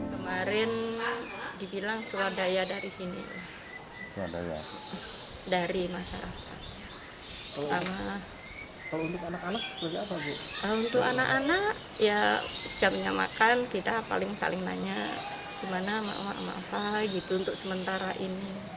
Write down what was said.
gimana mak mak mak mak apa gitu untuk sementara ini